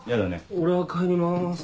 俺は帰ります。